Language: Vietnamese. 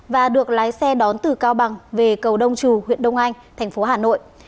và được lái xe đón từ cao bằng về cầu đông trù huyện đông anh thành phố hà nội